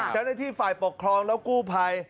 เจ้าหน้าที่ฝ่ายปกครองแล้วกู้ภัย